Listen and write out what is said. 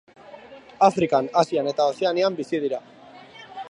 Afrikan, Asian eta Ozeanian bizi dira.